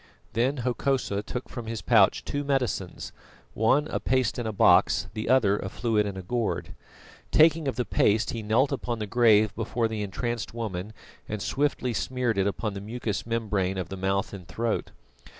Then Hokosa took from his pouch two medicines: one a paste in a box, the other a fluid in a gourd. Taking of the paste he knelt upon the grave before the entranced woman and swiftly smeared it upon the mucous membrane of the mouth and throat.